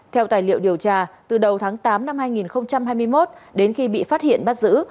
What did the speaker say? theo tài liệu điều tra từ đầu tháng tám năm hai nghìn hai mươi một đến khi bị phát hiện bắt giữ